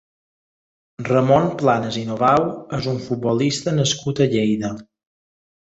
Ramon Planes i Novau és un futbolista nascut a Lleida.